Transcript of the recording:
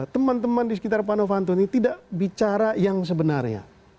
teman teman di sekitar pak novanto ini tidak bicara yang sebenarnya